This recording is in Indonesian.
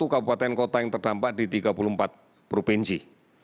empat ratus enam puluh satu kabupaten kota yang terdampak di tiga puluh empat provinsi